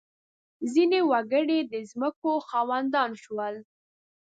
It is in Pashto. • ځینې وګړي د ځمکو خاوندان شول.